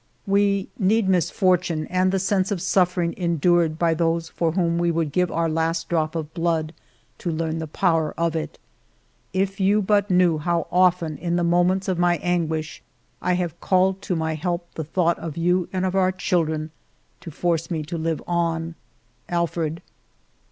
We need misfortune and the sense of suffer ing endured by those for whom we would give our last drop of blood, to learn the power of it. If you but knew how often in the moments of my anguish I have called to my help the thought of you and of our children, to force me to live on ! Alfred."